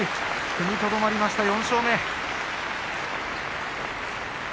踏みとどまりました４勝目です。